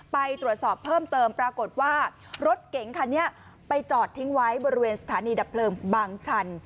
ไปตรวจสอบเพิ่มเติมปรากฏว่ารถเก๋งคันนี้ไปจอดทิ้งไว้บริเวณสถานีดับเพลิงบางชัน